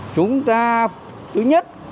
chúng ta thứ nhất